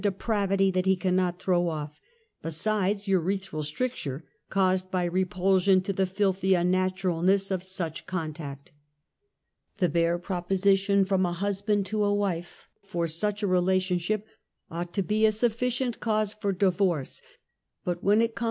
depravity that he cannot throw off, besides urethral ? stricture caused by repulsion to the filthy unnatu ralness of such contact. The bare proposition from a husband to a wife for ( such a relationship ought to be a sufficient cause for PROLAPSUS UTERI. 1. Spine.